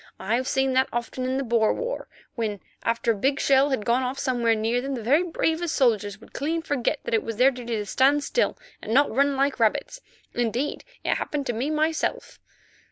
I've seen that often in the Boer war, when, after a big shell had gone off somewhere near them, the very bravest soldiers would clean forget that it was their duty to stand still and not run like rabbits; indeed, it happened to me myself."